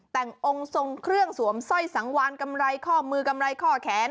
แต่งองค์ทรงเครื่องสวมสร้อยสังวานกำไรข้อมือกำไรข้อแขน